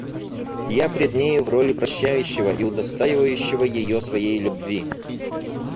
Я пред нею в роли прощающего и удостоивающего ее своей любви!..